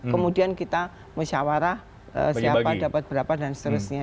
kemudian kita musyawarah siapa dapat berapa dan seterusnya